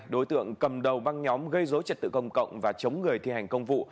đối tượng cầm đầu băng nhóm gây dối trật tự công cộng và chống người thi hành công vụ